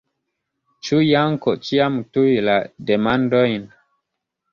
Ĉu Janko ĉiam tuj la demandojn?